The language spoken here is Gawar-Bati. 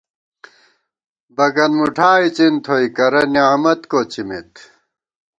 بگن مُٹھا اِڅِن تھوئی کرہ نعمت کوڅِمېت